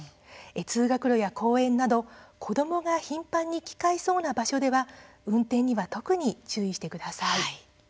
通学路や公園など子どもが頻繁に行き交いそうな場所では運転には特に注意してください。